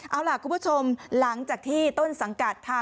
เอาล่ะคุณผู้ชมหลังจากที่ต้นสังกัดทางผอโรงเรียน